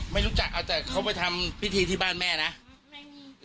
ไม่รู้จักเอาแต่เขาไปทำพิธีที่บ้านแม่นะไม่มี